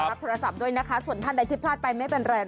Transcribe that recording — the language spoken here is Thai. รับโทรศัพท์ด้วยนะคะส่วนท่านใดที่พลาดไปไม่เป็นไร